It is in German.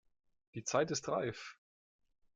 Die Zeit ist reif!